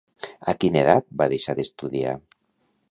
A quina edat va deixar d'estudiar?